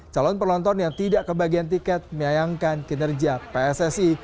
calon penonton yang tidak kebagian tiket menyayangkan kinerja pssi